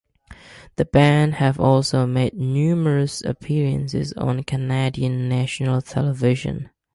The band have also made numerous appearances on Canadian national television.